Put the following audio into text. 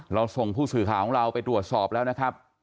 เราส่งผู้สื่อข่าวของเราไปตรวจสอบแล้วนะครับ